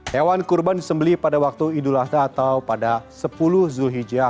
hewan kurban disembeli pada waktu idul adha atau pada sepuluh zulhijjah